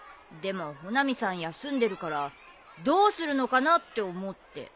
でも穂波さん休んでるからどうするのかなって思って。